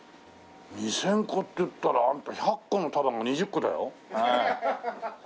２０００個って言ったらあんた１００個の束が２０個だよ？